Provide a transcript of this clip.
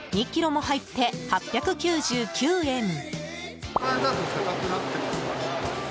２ｋｇも入って８９９円！